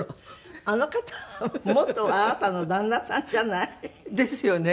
あの方は元あなたの旦那さんじゃない。ですよね。